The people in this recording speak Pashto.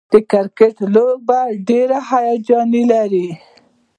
د کرکټ لوبه ډېره هیجان لري.